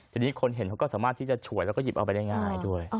ทีนี้คนเห็นเขาก็สามารถที่จะฉวยแล้วก็หยิบเอาไปได้ง่ายด้วย